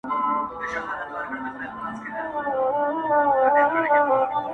حالاتو دغه حد ته راوسته ه ياره_